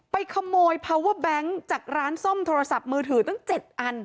ไปขโมยพาวเวอร์แบงค์จากร้านซ่อมโทรศัพท์มือถือตั้ง๗อัน